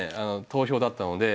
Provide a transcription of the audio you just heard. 投票だったので。